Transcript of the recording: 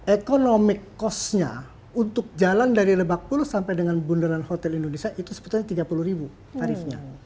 economic cost nya untuk jalan dari lebak bulus sampai dengan bundaran hotel indonesia itu sebetulnya rp tiga puluh ribu tarifnya